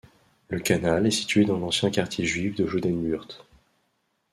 Le canal est situé dans l'ancien quartier juif du Jodenbuurt.